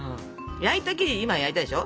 焼いた生地今焼いたでしょ？